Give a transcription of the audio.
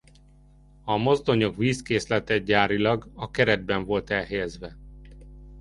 A mozdonyok vízkészlete gyárilag a keretben volt elhelyezve.